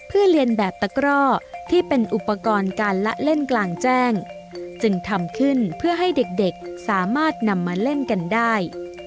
เพื่อเรียนแบบตะกร่อที่เป็นอุปกรณ์การละเล่นกลางแจ้งจึงทำขึ้นเพื่อให้เด็กสามารถนำมาเล่นกันได้